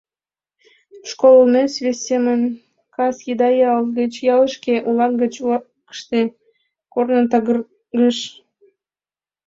Школ олмеш вес семын — кас еда ял гыч ялышке, улак гыч улакышке корно такыргыш.